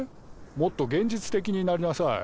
もっと現実的になりなさい。